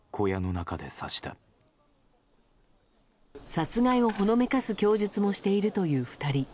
殺害をほのめかす供述もしているという２人。